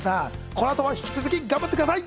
このあとも引き続き頑張ってください